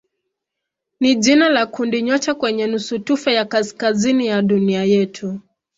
ni jina la kundinyota kwenye nusutufe ya kaskazini ya dunia yetu.